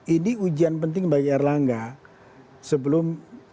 ini ujian penting bagi erlangga sebelum dua ribu sembilan belas